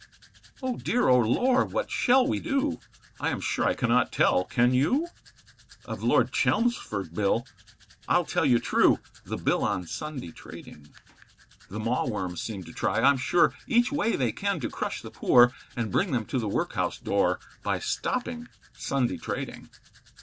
Oh dear, oh lor, what shall we do? I am sure I cannot tell, can you? Of Lord Chelmsford's Bill, I'll tell you true The Bill on Sunday trading. The mawworms seem to try, I'm sure, Each way they can to crush the poor, And bring them to the workhouse door, By stopping Sunday trading.